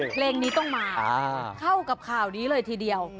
เพลงนี้ต้องมาเข้ากับข่าวนี้เลยทีเดียว